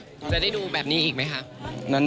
จะได้ดูแบบนี้อีกไหมคะ